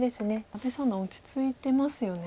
阿部三段落ち着いてますよね。